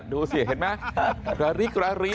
ดูสิเห็นไหมระริกระริ